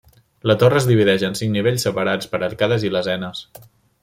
La torre es divideix en cinc nivells separats per arcades i lesenes.